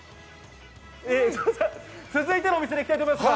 続いてのお店にいきたいと思います。